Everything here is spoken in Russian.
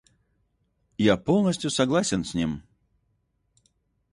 Я полностью согласен с ним.